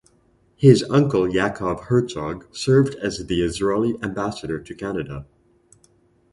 His uncle Yaakov Herzog served as the Israeli ambassador to Canada.